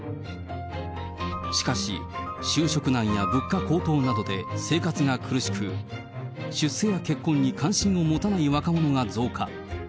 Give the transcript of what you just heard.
しかし、就職難や物価高騰などで生活が苦しく、出世や結婚に関心を持たない若者が増加。